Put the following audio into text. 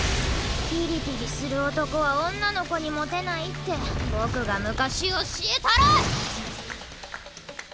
ピリピリする男は女の子にモテないって僕が昔教えたろ！